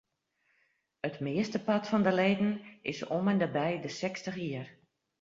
It meastepart fan de leden is om ende by de sechstich jier.